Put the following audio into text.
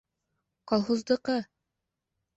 Колхоздыҡы!